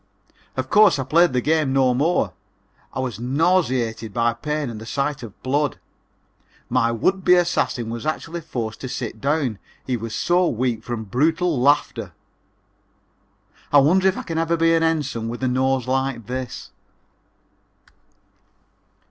Of course I played the game no more. I was nauseated by pain and the sight of blood. My would be assassin was actually forced to sit down, he was so weak from brutal laughter. I wonder if I can ever be an Ensign with a nose like this?